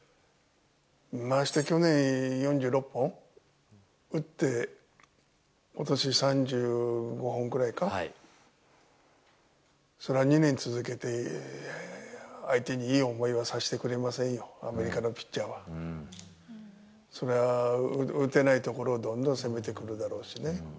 まして去年４６本打って、ことし３５本くらいか、それは２年続けて相手にいい思いをさせてくれませんよ、アメリカのピッチャーは。それは打てないところをどんどん攻めてくるだろうしね。